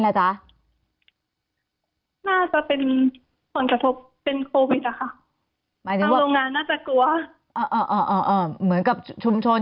น่าจะเป็นผลกระทบโควิดอ่ะ